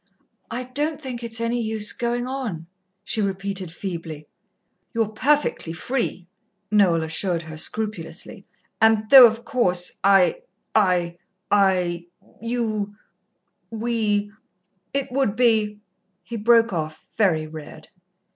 "I don't think it's any use going on," she repeated feebly. "You're perfectly free," Noel assured her scrupulously; "and though, of course, I I I you we it would be " He broke off, very red.